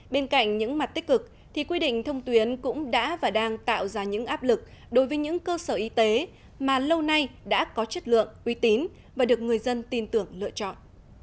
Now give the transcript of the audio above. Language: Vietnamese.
bên cạnh những mặt tích cực thì quy định thông tuyến cũng đã và đang tạo ra những áp lực đối với những cơ sở y tế mà lâu nay đã có chất lượng uy tín và được người dân tin tưởng lựa chọn